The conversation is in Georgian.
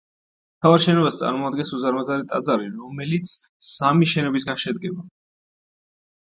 მთავარ შენობას წარმოადგენს უზარმაზარი ტაძარი, რომელიც სამი შენობისაგან შედგება.